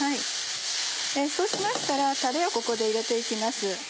そうしましたらたれをここで入れて行きます。